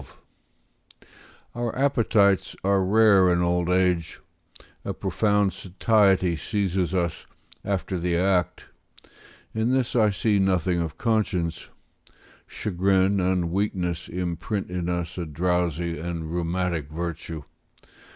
] Our appetites are rare in old age; a profound satiety seizes us after the act; in this I see nothing of conscience; chagrin and weakness imprint in us a drowsy and rheumatic virtue.